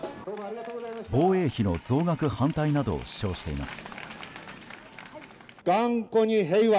防衛費の増額反対などを主張しています。